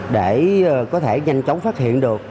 để có thể nhanh chóng phát hiện được